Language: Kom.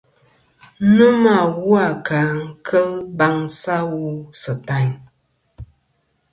Nomɨ awu a ka kel baŋsɨ awu sɨ tayn.